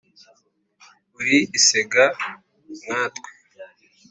uri isega nkatwe.